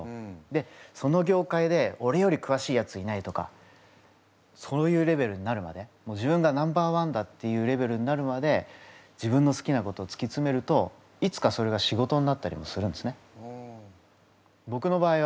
でその業界で俺よりくわしいやついないとかそういうレベルになるまで自分がナンバー１だっていうレベルになるまで自分の好きなことをつきつめるといつかそれが仕事になったりもするんですね。